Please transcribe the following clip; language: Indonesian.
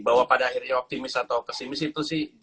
bahwa pada akhirnya optimis atau pesimis itu sih